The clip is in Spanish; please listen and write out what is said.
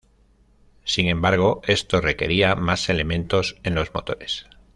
Sin embargo, esto requería más elementos en los motores.